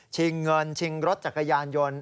เงินชิงรถจักรยานยนต์